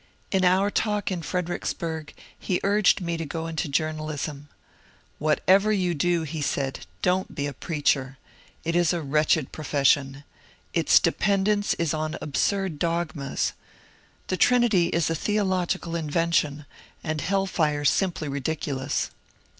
In our talk in Fredericksburg he urged me to go into journalism. " Whatever you do," he said, " don't be a preacher. It is a wretched profession. Its dependence is on absurd dogmas. The Trinity is a theological invention, and hell fire simply ridiculous."